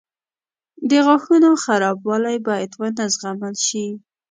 • د غاښونو خرابوالی باید ونه زغمل شي.